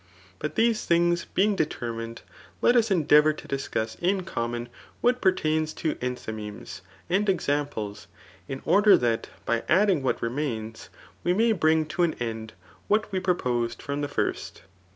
But these things being determined, let us eiv deavour to discuss in common what pertains to enthy Memes and examples, in order that by adding wh^ remait|6 we may bring to an end what we proposed from the first.